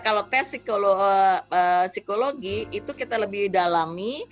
kalau tes psikologi itu kita lebih dalami